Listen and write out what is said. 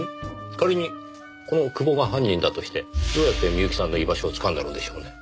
仮にこの久保が犯人だとしてどうやって深雪さんの居場所をつかんだのでしょうね。